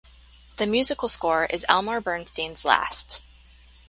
The musical score is Elmer Bernstein's last.